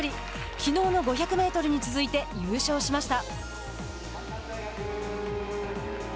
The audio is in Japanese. きのうの５００メートルに続いて優勝しました。